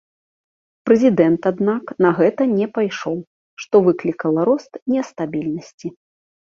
Прэзідэнт, аднак, на гэта не пайшоў, што выклікала рост нестабільнасці.